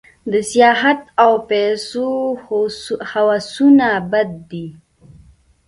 د سیاحت او پیسو هوسونه بد دي.